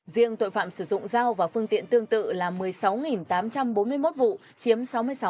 riêng tội phạm sử dụng dao và phương tiện tương tự là một mươi sáu tám trăm bốn mươi một vụ chiếm sáu mươi sáu